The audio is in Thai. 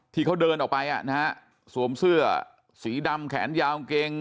ที่เขาเดินออกไปอ่ะนะฮะสวมเสื้อสีดำแขนยาวกางเกง